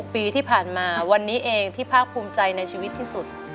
ปีที่ผ่านมาวันนี้เองที่ภาคภูมิใจในชีวิตที่สุด